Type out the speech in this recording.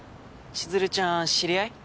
ちづるちゃん知り合い？